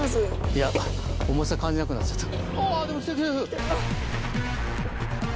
いや重さ感じなくなっちゃった。